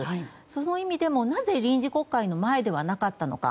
その意味でも、なぜ臨時国会の前ではなかったのか。